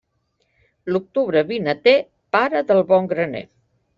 L'octubre vinater, pare del bon graner.